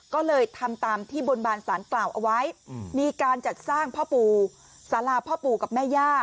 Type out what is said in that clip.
ก็เลยทำตามที่บนบานสารกล่าวเอาไว้มีการจัดสร้างพ่อปู่สาราพ่อปู่กับแม่ย่า